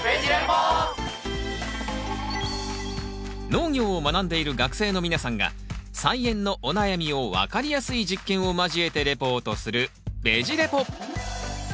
農業を学んでいる学生の皆さんが菜園のお悩みを分かりやすい実験を交えてレポートする「ベジ・レポ」！